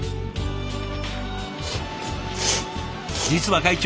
実は会長